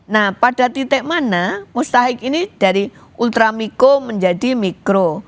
nah pada titik mana mustahik ini dari ultramikro menjadi mikro